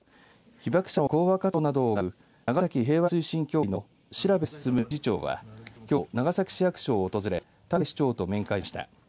被爆者の講話活動などを行う長崎平和推進協会の調漸理事長はきょう、長崎市役所を訪れ田上市長と面会しました。